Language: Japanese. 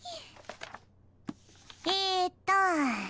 えっと。